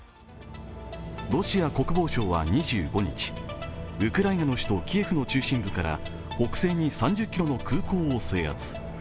ロシア国防省は２５日、ウクライナの首都キエフの中心部から北西に３０ｋｍの空港を制圧。